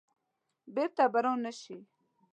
بیرته به را نه شي.